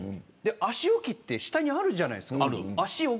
足置きは下にあるじゃないですか。